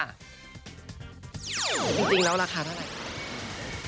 จริงแล้วราคาเท่าไหร่